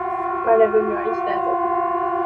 把两个女儿一起带走